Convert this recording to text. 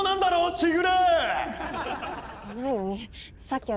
時雨。